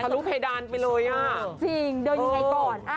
ทะลุเพดานไปเลย